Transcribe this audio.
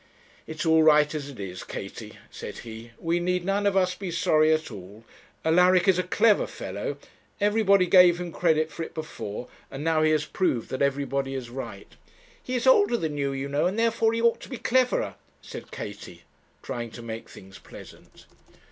'It's all right as it is, Katie,' said he; 'we need none of us be sorry at all. Alaric is a clever fellow; everybody gave him credit for it before, and now he has proved that everybody is right.' 'He is older than you, you know, and therefore he ought to be cleverer,' said Katie, trying to make things pleasant.